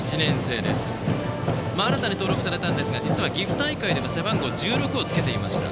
新たに登録されたんですが実は岐阜大会では背番号１６をつけていました。